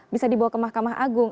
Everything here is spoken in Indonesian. bisa dibawa ke mahkamah agung